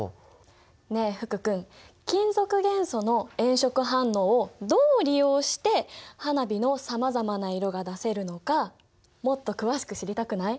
ねえ福君金属元素の炎色反応をどう利用して花火のさまざまな色が出せるのかもっと詳しく知りたくない？